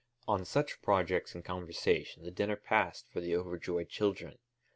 On such projects and conversation the dinner passed for the overjoyed children.